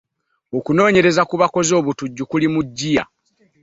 Okunonyereeza ku bakoze obutujju kuli mu gyiya.